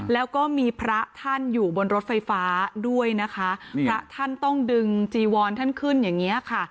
แล้วก็มีพระท่านอยู่บนรถไฟฟ้าด้วยนะคะพระท่านต้องดึงจีวอนท่านขึ้นอย่างเงี้ยค่ะ